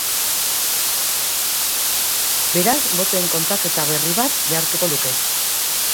Beraz, botoen kontaketa berri bat behartuko luke.